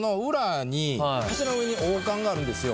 柱の上に王冠があるんですよ。